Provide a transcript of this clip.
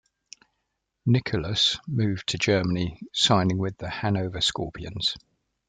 Nickulas moved to Germany, signing with the Hannover Scorpions.